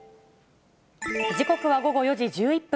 時刻は午後４時１１分。